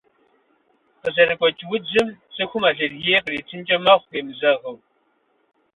Къызэрыгуэкӏ удзым цӏыхум аллергие къритынкӏэ мэхъу, емызэгъыу.